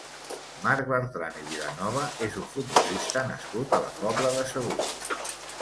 Marc Bertran i Vilanova és un futbolista nascut a la Pobla de Segur.